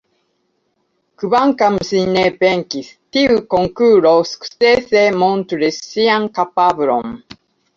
Kvankam ŝi ne venkis, tiu konkuro sukcese montris ŝian kapablon.